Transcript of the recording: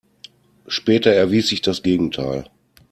Später erwies sich das Gegenteil.